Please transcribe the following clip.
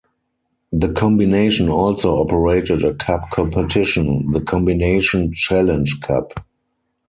The Combination also operated a cup competition - The Combination Challenge Cup.